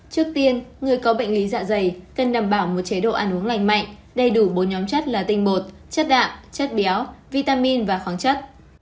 trước tiên người có bệnh lý dạ dày cần đảm bảo một chế độ ăn uống lành mạnh đầy đủ bốn nhóm chất là tinh bột chất đạm chất béo vitamin và khoáng chất